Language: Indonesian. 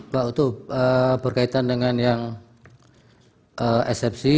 pak utuh berkaitan dengan yang eksepsi